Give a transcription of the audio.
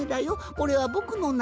これはぼくのなのだ」。